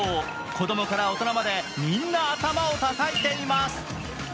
子供から大人までみんな頭をたたいています。